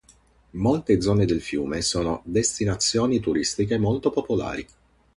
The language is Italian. Molte zone del fiume sono destinazioni turistiche molto popolari.